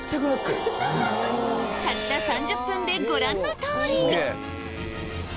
たった３０分でご覧の通り